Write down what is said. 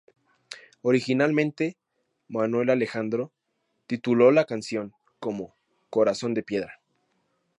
Originalmente, Manuel Alejandro tituló la canción como "Corazón de piedra".